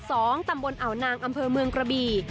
ตำบลอ่าวนางอำเภอเมืองกระบี